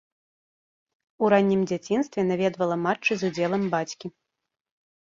У раннім дзяцінстве наведвала матчы з удзелам бацькі.